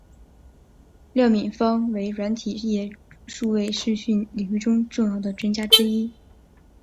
廖敏芳为软体业数位视讯领域中重要的专家之一。